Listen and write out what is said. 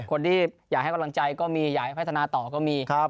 คนที่อยากให้กำลังใจก็มีอยากให้พัฒนาต่อก็มี